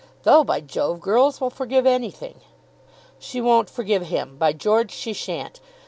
Though, by Jove, girls will forgive anything." "She won't forgive him. By George, she shan't.